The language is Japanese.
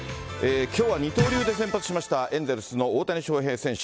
きょうは二刀流で先発しましたエンゼルスの大谷翔平選手。